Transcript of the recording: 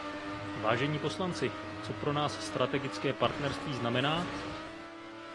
Vážení poslanci, co pro nás strategické partnerství znamená?